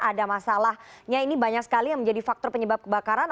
ada masalahnya ini banyak sekali yang menjadi faktor penyebab kebakaran